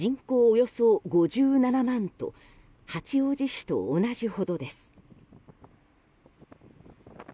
およそ５７万と八王子市と同じほどです。